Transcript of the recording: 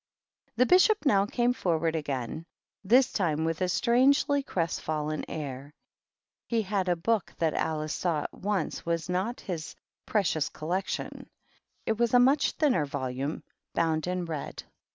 The Bishop now came forward again, th time with a strangely crestfallen air. He hi a book that Alice saw at once was not his pr cious Collection ; it was a much thinner vc ume, bound in red.